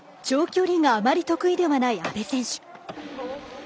長距離があまり得意ではない阿部選手。